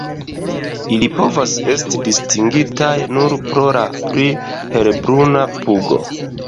Ili povas esti distingitaj nur pro la pli helbruna pugo.